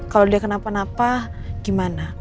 kalau dia kenapa napa gimana